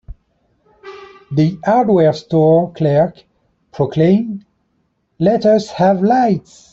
The hardware store clerk proclaimed, "Let us have lights!"